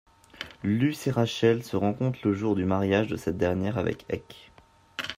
Luce et Rachel se rencontrent le jour du mariage de cette dernière avec Heck.